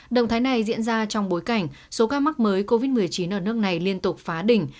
động thái này diễn ra trong bối cảnh số ca mắc mới covid một mươi chín ở nước này liên tục phá đỉnh